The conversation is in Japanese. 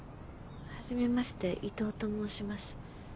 初めまして伊藤と申します。